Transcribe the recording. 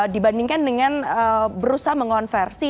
dibandingkan dengan berusaha mengonversi